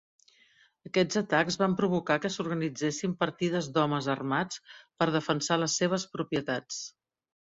Aquests atacs van provocar que s'organitzessin partides d'homes armats per defensar les seves propietats.